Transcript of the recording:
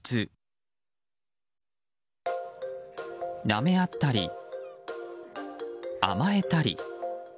なめ合ったり、甘えたり。